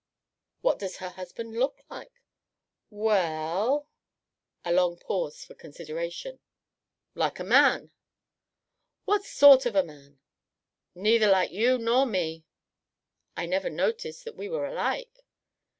"What does her husband look like?" "Well" a long pause of consideration "like a man." "What sort of a man?" "Neither like you nor me." "I never noticed that we were alike."